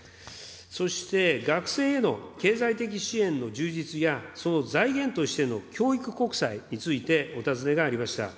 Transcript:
そして、学生への経済的支援の充実や、その財源としての教育国債についてお尋ねがありました。